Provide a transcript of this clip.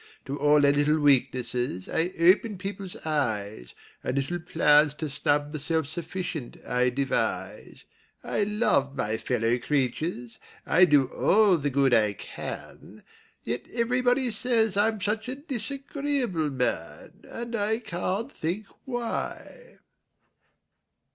To all their little weaknesses I open people's eyes And little plans to snub the self sufficient I devise; I love my fellow creatures I do all the good I can Yet everybody say I'm such a disagreeable man! And I can't think why!